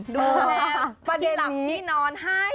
ดูแม่ประเด็นหลักที่นอนให้